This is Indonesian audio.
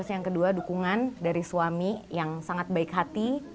yang kedua dukungan dari suami yang sangat baik hati